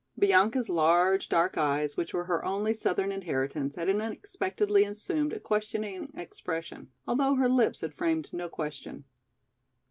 " Bianca's large dark eyes which were her only southern inheritance had unexpectedly assumed a questioning expression, although her lips had framed no question.